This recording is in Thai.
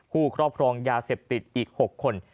ครอบครองยาเสพติดอีก๖คน